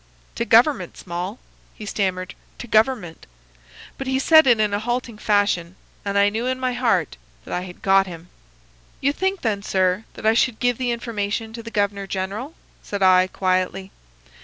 "'To government, Small,' he stammered,—'to government.' But he said it in a halting fashion, and I knew in my heart that I had got him. "'You think, then, sir, that I should give the information to the Governor General?' said I, quietly.